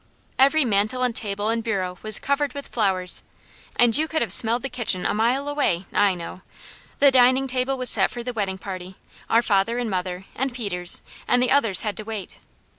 Every mantel and table and bureau was covered with flowers, and you could have smelled the kitchen a mile away, I know. The dining table was set for the wedding party, our father and mother, and Peter's, and the others had to wait.